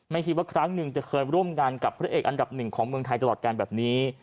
ไม่คิดว่าครั้งหนึ่งจะเคยร่วมงานกับพระเอกอันดับหนึ่งของเมืองไทยตลอดการแบบนี้